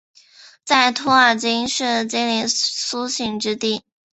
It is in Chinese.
在托尔金是精灵苏醒之地。